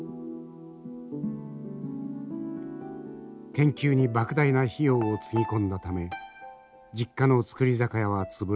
研究にばく大な費用をつぎ込んだため実家の造り酒屋は潰れ